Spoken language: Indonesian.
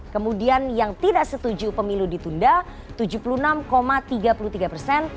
kemudian yang tidak setuju pemilu ditunda tujuh puluh enam tiga puluh tiga persen